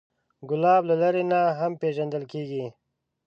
ګلاب له لرې نه هم پیژندل کېږي.